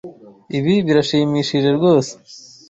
Ibi birashimishije rwose.